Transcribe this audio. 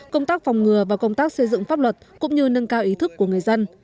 công tác phòng ngừa và công tác xây dựng pháp luật cũng như nâng cao ý thức của người dân